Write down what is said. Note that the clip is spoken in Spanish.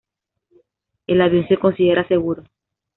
El avión se considera seguro.